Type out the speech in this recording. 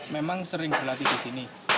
memang sering berlatih di sini